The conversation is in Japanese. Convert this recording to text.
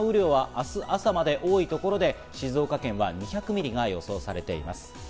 予想の雨量は明日朝まで多い所で静岡県は２００ミリが予想されています。